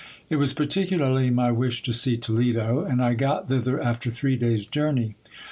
It was particularly my wish to see Toledo : and I got thither after three days' joirney.